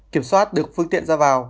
kiểm soát được phương tiện ra vào